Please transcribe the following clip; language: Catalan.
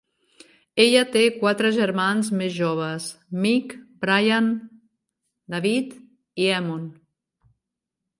Ella té quatre germans més joves: Mick, Brian, David i Eamonn.